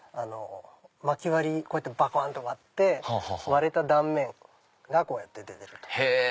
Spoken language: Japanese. まき割りバコン！と割って割れた断面がこうやって出てると。